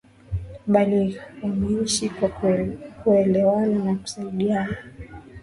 bali wameishi kwa kuelewana na kusaidiana